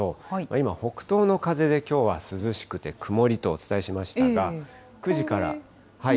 今、北東の風で、きょうは涼しくて曇りとお伝えしましたが、９時から。